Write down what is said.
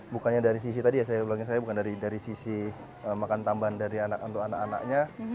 bukannya dari sisi tadi ya saya bilangnya saya bukan dari sisi makan tambahan dari anak untuk anak anaknya